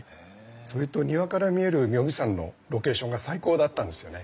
それと庭から見える妙義山のロケーションが最高だったんですよね。